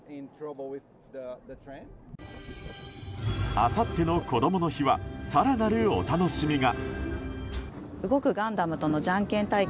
あさっての、こどもの日は更なるお楽しみが。